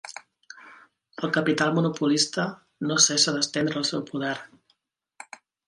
El capital monopolista no cessa d'estendre el seu poder.